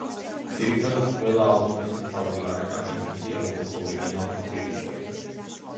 ძირითადად, ყველა ალბომის მთავარი გარეკანი ისეთია, როგორც ორიგინალურ ფირფიტებზე.